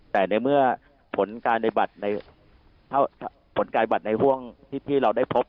แต่ในเมื่อผลการในบัตรในผลกายบัตรในห่วงที่เราได้พบ